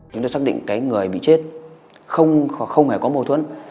chúng tôi xác định cái người bị chết không hề có mâu thuẫn